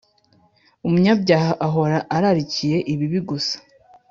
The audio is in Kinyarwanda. umunyabyaha ahora ararikira ibibi gusa